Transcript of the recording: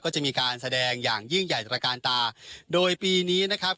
ก็จะมีการแสดงอย่างยิ่งใหญ่ตระกาลตาโดยปีนี้นะครับ